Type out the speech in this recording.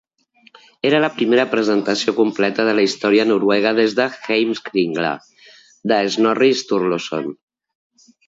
Era la primera presentació completa de la història noruega des de Heimskringla, de Snorri Sturluson.